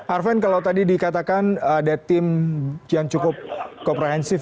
arven kalau tadi dikatakan ada tim yang cukup komprehensif